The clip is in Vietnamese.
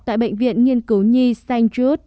tại bệnh viện nghiên cứu nhi st jude